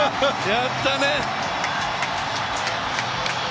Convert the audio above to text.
やったね。